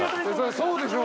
そうでしょう。